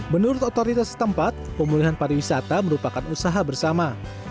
menurut otoritas tempat pemulihan pariwisata merupakan usaha bersama